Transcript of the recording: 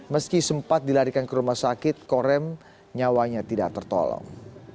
meski sempat dilarikan ke rumah sakit korem nyawanya tidak tertolong